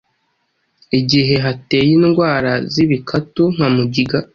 igihe hateye indwara z’ibikatu nka mugiga,